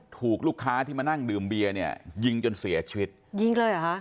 ถูกลูกค้าที่มานั่งดื่มเบียร์เนี่ยยิงจนเสียชีวิตยิงเลยเหรอฮะ